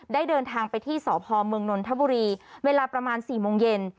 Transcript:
เดินทางไปที่สพเมืองนนทบุรีเวลาประมาณ๔โมงเย็น